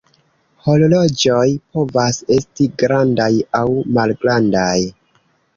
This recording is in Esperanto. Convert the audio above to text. Horloĝoj povas esti grandaj aŭ malgrandaj.